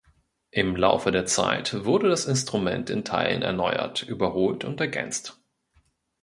Im Laufe der Zeit wurde das Instrument in Teilen erneuert, überholt und ergänzt.